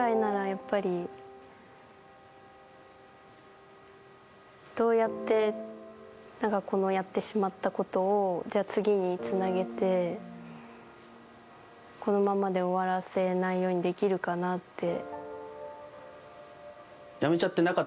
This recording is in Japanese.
やっぱりどうやってやってしまったことを次につなげてこのままで終わらせないようにできるかなって。